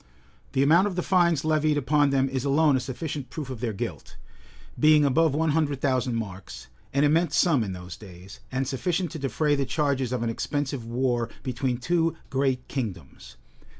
The amount of the fines levied upon them is alone a sufficient proof of their guilt; being above one hundred thousand marks, an immense sum in those days, and sufficient to defray the charges of an expensive war between two great kingdoms.